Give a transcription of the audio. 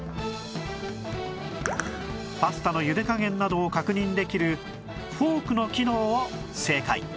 パスタのゆで加減など確認できるフォークの機能を正解